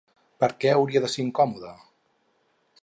Per què hauria de ser incòmode?